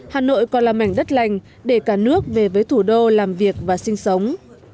hà nội còn là mảnh đất lành để cả nước về với thủ đô làm việc và sinh sống